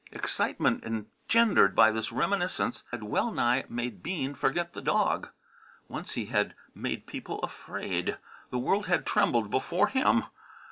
Excitement engendered by this reminiscence had well nigh made Bean forget the dog. Once he had made people afraid. The world had trembled before him.